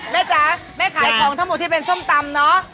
จ๊ะแม่ขายของทั้งหมดที่เป็นส้มตำเนอะ